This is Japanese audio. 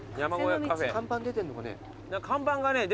看板出てんのかね？